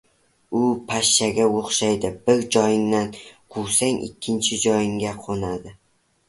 u pashshaga o‘xshaydi — bir joyingdan quvsang ikkinchi joyingga qo‘nadi.